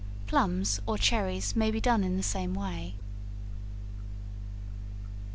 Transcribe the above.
Plums or cherries may be done in the same way.